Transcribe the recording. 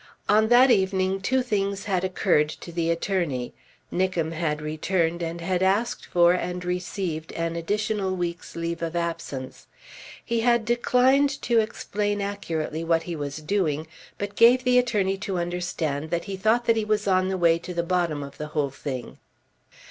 On that evening two things had occurred to the attorney. Nickem had returned, and had asked for and received an additional week's leave of absence. He had declined to explain accurately what he was doing but gave the attorney to understand that he thought that he was on the way to the bottom of the whole thing.